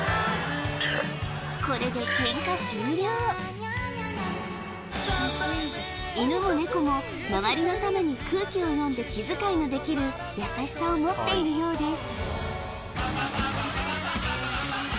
これで犬もネコも周りのために空気を読んで気遣いのできる優しさをもっているようです